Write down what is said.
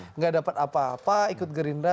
tidak dapat apa apa ikut gerindra